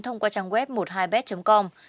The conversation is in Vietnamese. thông qua trang web một mươi hai bet com